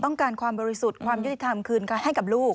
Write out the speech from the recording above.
ความบริสุทธิ์ความยุติธรรมคืนให้กับลูก